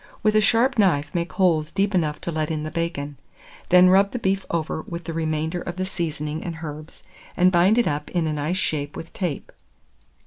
With a sharp knife make holes deep enough to let in the bacon; then rub the beef over with the remainder of the seasoning and herbs, and bind it up in a nice shape with tape.